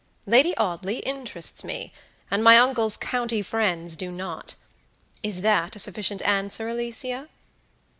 Lady Audley interests me, and my uncle's county friends do not. Is that a sufficient answer, Alicia?"